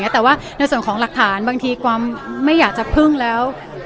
แต่ว่าในส่วนของหลักฐานบางทีความไม่อยากจะพึ่งแล้ว